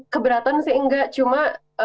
keberatan sih enggak cuma